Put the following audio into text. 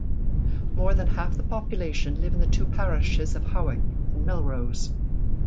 More than half the population live in the two parishes of Hawick and Melrose.